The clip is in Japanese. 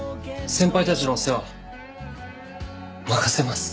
先輩たちのお世話任せます。